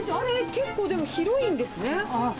結構広いんですね。